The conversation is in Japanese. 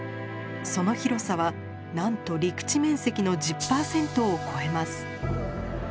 その広さはなんと陸地面積の１０％を超えます。